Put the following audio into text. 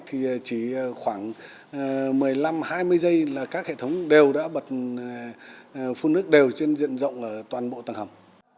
thì chỉ khoảng một mươi năm hai mươi giây là các hệ thống đều đã bật phun nước đều trên diện rộng ở toàn bộ tầng hầm